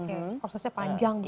oke prosesnya panjang gitu